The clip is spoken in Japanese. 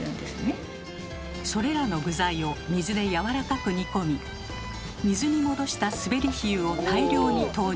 それらの具材を水でやわらかく煮込み水に戻したスベリヒユを大量に投入。